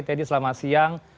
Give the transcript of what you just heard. teddy selamat siang